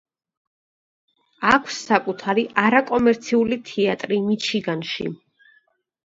აქვს საკუთარი არაკომერციული თეატრი მიჩიგანში.